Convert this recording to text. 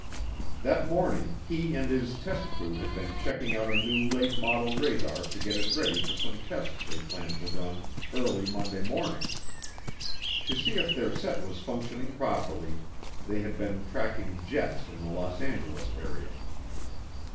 That morning he and his test crew had been checking out a new late model radar to get it ready for some tests they planned to run early Monday morning. To see if their set was functioning properly, they had been tracking jets in the Los Angeles area.